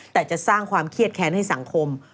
แต่จะสร้างความเครียดแค้นให้สังคม